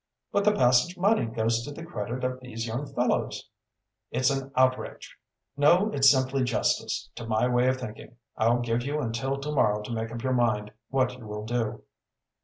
"But the passage money Goes to the credit of these young fellows." "It's an outrage!" "No, it's simply justice, to my way of thinking. I'll give you until to morrow to make up your mind what you will do."